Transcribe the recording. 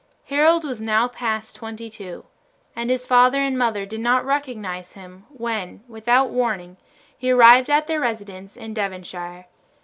Harold was now past twenty two, and his father and mother did not recognize him when, without warning, he arrived at their residence in Devonshire.